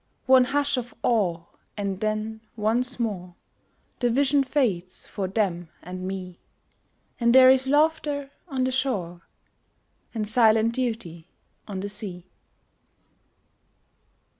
One hush of awe, and then once more The vision fades for them and me, And there is laughter on the shore, And silent duty on the sea.